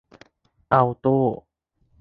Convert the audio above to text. อัลโต้